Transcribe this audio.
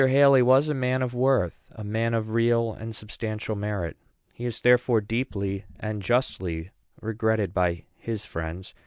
Haly was a man of worth a man of real and substantial merit. He is, therefore, deeply and justly regretted by his friends.